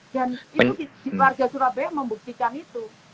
dan itu di warga surabaya membuktikan itu